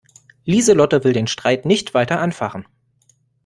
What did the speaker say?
Lieselotte will den Streit nicht weiter anfachen.